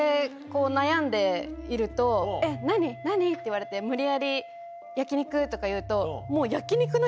悩んでいると。って言われて無理やり。とか言うと。